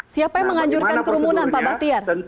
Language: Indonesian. siapa yang menganjurkan kerumunan pak bahtiar